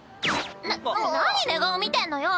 な何寝顔見てんのよ！